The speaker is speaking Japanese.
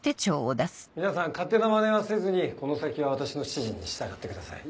皆さん勝手なまねはせずにこの先は私の指示に従ってください。